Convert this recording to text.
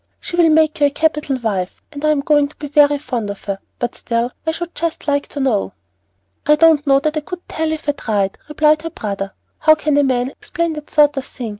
She will make you a capital wife, and I'm going to be very fond of her, but still, I should just like to know." "I don't know that I could tell you if I tried," replied her brother. "How can a man explain that sort of thing?